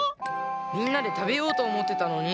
みんなでたべようとおもってたのに。